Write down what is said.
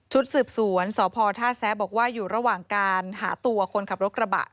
สืบสวนสพท่าแซะบอกว่าอยู่ระหว่างการหาตัวคนขับรถกระบะ